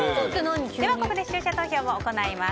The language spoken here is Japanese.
ではここで視聴者投票を行います。